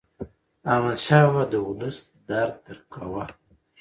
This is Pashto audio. احمدشاه بابا د ولس درد درک کاوه.